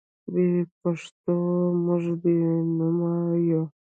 بې پښتوه موږ بې نومه یو.